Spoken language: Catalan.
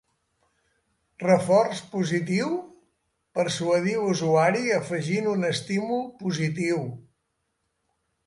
Reforç positiu: persuadir l'usuari afegint un estímul positiu.